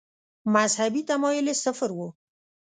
مذهبي تمایل یې صفر و.